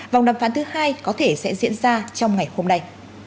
vòng đàm phán thứ hai có thể sẽ diễn ra trong ngày hôm nay